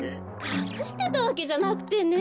かくしてたわけじゃなくてね。